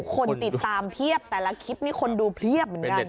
คนติดตามเพียบแต่ละคลิปนี้คนดูเพียบเหมือนกัน